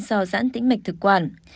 do giãn tĩnh mạch thực quản